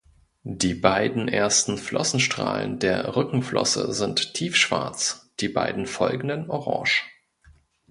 Die beiden ersten Flossenstrahlen der Rückenflosse sind tiefschwarz, die beiden folgenden orange.